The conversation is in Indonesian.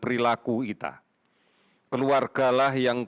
keluargalah yang kemudian kita harus mencari kemampuan untuk mengembangkan kemampuan kita